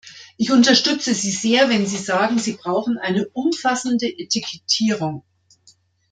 Ich unterstütze Sie sehr, wenn Sie sagen, wir brauchen eine umfassende Etikettierung.